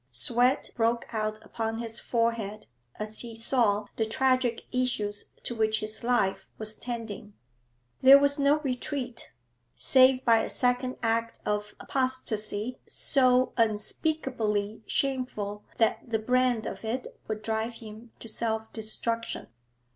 Sweat broke out upon his forehead as he saw the tragic issues to which his life was tending. There was no retreat, save by a second act of apostasy so unspeakably shameful that the brand of it would drive him to self destruction.